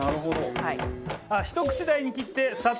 はい。